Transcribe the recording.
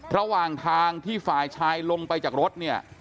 ระหว่างทางที่ฝ่ายชายลงไปจากรถเนี่ย